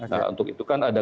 nah untuk itu kan ada